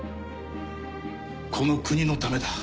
この国のためだ。